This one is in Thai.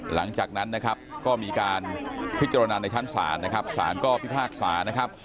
หลังจากนั้นก็มีการพิจารณาในชั้นศาลศาลก็พิพากษา